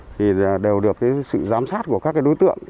thì đều được sự giám sát của các cái đối tượng